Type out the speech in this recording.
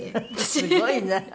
すごいね。